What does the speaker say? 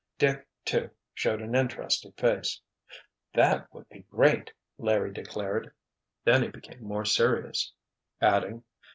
Dick, too, showed an interested face. "That would be great!" Larry declared. Then he became more serious, adding.